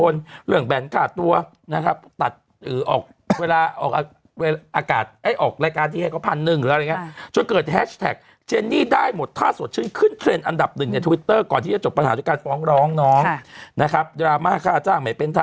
ลุงปวดปะแต่มีซิงเกิ้ลอ่ะ